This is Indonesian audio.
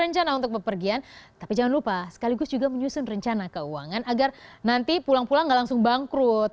jangan lupa untuk menyusun rencana keuangan agar pulang pulang tidak langsung bangkrut